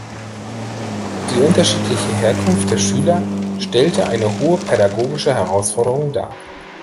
Die unterschiedliche Herkunft der Schüler stellte eine hohe pädagogische Herausforderung dar.